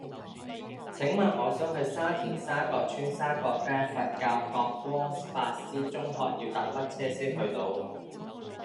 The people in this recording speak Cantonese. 請問我想去沙田沙角邨沙角街佛教覺光法師中學要搭乜嘢車先去到